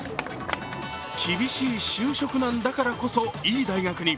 厳しい就職難だからこそ、いい大学に。